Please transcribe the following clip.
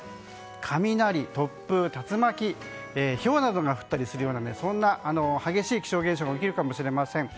雷、突風、竜巻ひょうなどが降ったりするような激しい気象現象が起きるかもしれません。